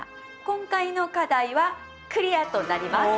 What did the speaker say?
今回の課題はクリアとなります。